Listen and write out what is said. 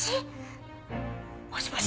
もしもし？